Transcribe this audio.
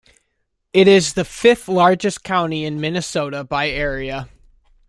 It is the fifth-largest county in Minnesota by area.